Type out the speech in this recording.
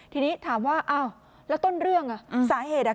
ทีนี้ถามว่าอ้าวแล้วต้นเรื่องอ่ะอืมสาเหตุอ่ะ